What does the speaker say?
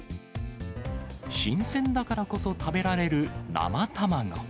新鮮だからこそ食べられる生卵。